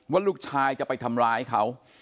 ว่าลูกชายจะไปทำร้ายเขา